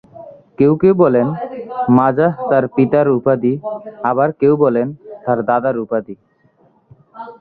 কেউ কেউ বলেন, মাজাহ তার পিতার উপাধি, আবার কেউ বলেন, তার দাদার উপাধি।